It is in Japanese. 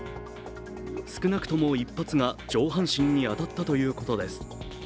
少なくとも１発が上半身に当たったということです。